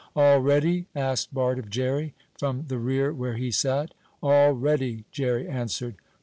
"All ready?" asked Bart of Jerry, from the rear where he sat. "All ready," Jerry answered.